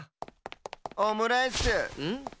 オムライスん？